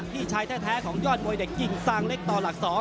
พี่ชายแท้ของยอดมวยเด็กกิ่งซางเล็กต่อหลัก๒